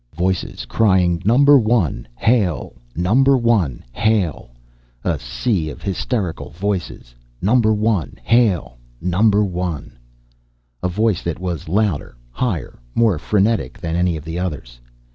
Voices crying, "Number One, hail! Number One, hail!" A sea of hysterical voices. "Number One, hail! Number One " A voice that was louder, higher, more frenetic than any of the others.